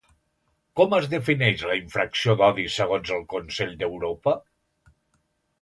Com es defineix la infracció d'odi segons el Consell d'Europa?